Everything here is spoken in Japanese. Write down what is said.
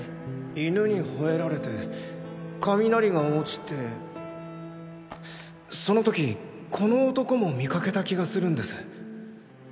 犬に吠えられて雷が落ちてその時この男も見かけた気がするんです。